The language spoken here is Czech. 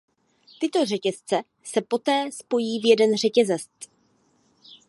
Tyto řetězce se poté spojí v jeden řetězec.